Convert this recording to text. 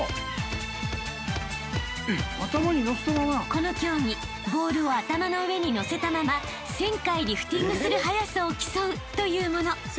［この競技ボールを頭の上にのせたまま１，０００回リフティングする早さを競うというもの］